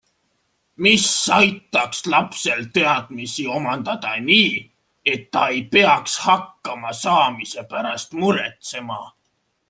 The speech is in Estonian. Mis aitaks lapsel teadmisi omandada nii, et ta ei peaks hakkama saamise pärast muretsema?